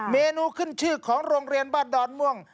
เมนูขึ้นชื่อของโรงเรียนบ้านดอนม่วง